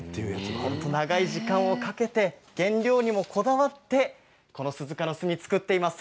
長い時間をかけて原料にもこだわってこの鈴鹿の墨を作っています。